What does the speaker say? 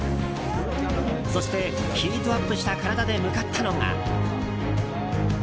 そして、ヒートアップした体で向かったのが。